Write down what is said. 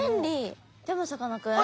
でもさかなクン。